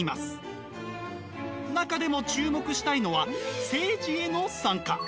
中でも注目したいのは政治への参加。